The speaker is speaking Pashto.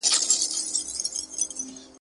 هغه زده کوونکی چې لټون کوي بریالی کیږي.